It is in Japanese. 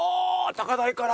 高台から。